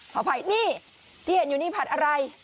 ขออภัยนี่ที่เห็นอยู่นี่ผัดอะไร